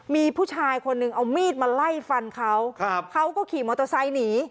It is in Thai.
มีผู้ชายคนหนึ่งเอามีดมาไล่ฟันเขาครับเขาก็ขี่มอเตอร์ไซค์หนี